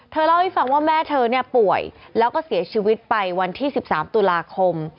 เล่าให้ฟังว่าแม่เธอป่วยแล้วก็เสียชีวิตไปวันที่๑๓ตุลาคม